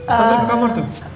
atau taruh ke kamar tuh